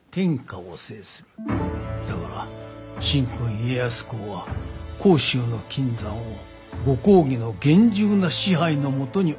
だから神君家康公は甲州の金山をご公儀の厳重な支配のもとに置かれたのだ。